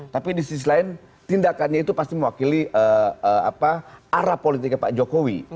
tapi di sisi lain tindakannya itu pasti mewakili arah politiknya pak jokowi